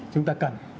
chúng ta cần